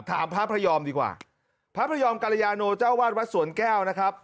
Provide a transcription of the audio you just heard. ถามพระพระยอมดีกว่าพระพระยอมกรยาโนเจ้าวาดวัดสวนแก้วนะครับ